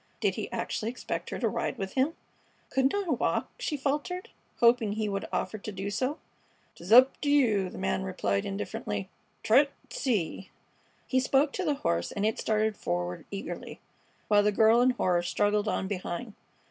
Did he actually expect her to ride with him? "Couldn't I walk?" she faltered, hoping he would offer to do so. "'T's up t' you," the man replied, indifferently. "Try 't an' see!" He spoke to the horse, and it started forward eagerly, while the girl in horror struggled on behind.